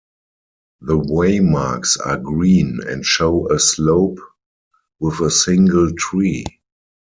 The waymarks are green and show a slope with a single tree.